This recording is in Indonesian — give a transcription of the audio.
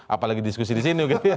apalagi diskusi di sini